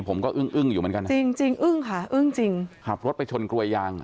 อึ้งอึ้งอยู่เหมือนกันนะจริงจริงอึ้งค่ะอึ้งจริงขับรถไปชนกลวยยาง